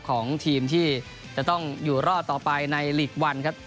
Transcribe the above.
ของทีมที่จะต้องอยู่รอดต่อไปในหลีกวันครับ